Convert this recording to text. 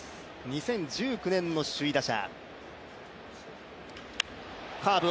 ２０１９年の首位打者。